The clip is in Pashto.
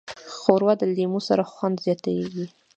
ښوروا د لیمو سره خوند زیاتیږي.